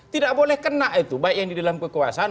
tidak boleh kena itu baik yang di dalam kekuasaan